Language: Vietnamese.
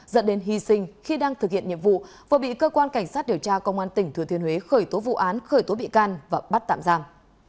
dẫn đến hy sinh khi đang thực hiện nhiệm vụ vừa bị cơ quan cảnh sát điều tra công an tỉnh thừa thiên huế khởi tố vụ án khởi tố bị can và bắt tạm giam